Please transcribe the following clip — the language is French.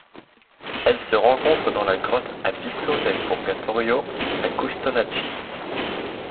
Elle se rencontre dans la grotte Abisso del Purgatorio à Custonaci.